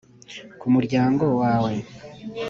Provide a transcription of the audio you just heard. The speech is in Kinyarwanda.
ku muryango wawe